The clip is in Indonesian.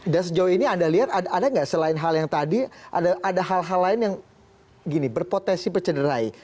dan sejauh ini anda lihat ada nggak selain hal yang tadi ada hal hal lain yang berpotensi percenderai